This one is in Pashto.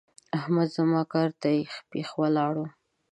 احمد زما کار ته اېښ پېښ ولاړ وو.